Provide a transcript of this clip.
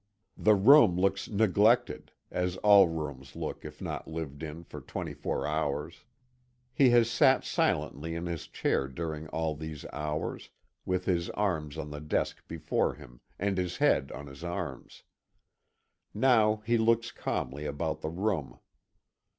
The room looks neglected, as all rooms look if not lived in for twenty four hours. He has sat silently in his chair during all these hours, with his arms on the desk before him, and his head on his arms. Now he looks calmly about the room.